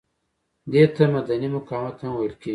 دې ته مدني مقاومت هم ویل کیږي.